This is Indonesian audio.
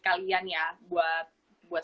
kalian ya buat